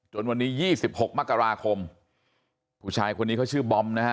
วันนี้๒๖มกราคมผู้ชายคนนี้เขาชื่อบอมนะฮะ